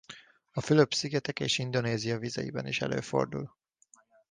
A Fülöp-szigetek és Indonézia vizeiben is előfordul.